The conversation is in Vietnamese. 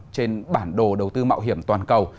trên bản đồ đầu tư mạo hiểm toàn cầu